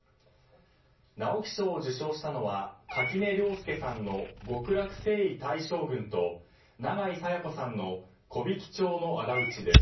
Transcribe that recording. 直木賞を受賞したのは垣根涼介さんの「極楽征夷大将軍」と永井紗耶子さんの「木挽町のあだ討ち」です。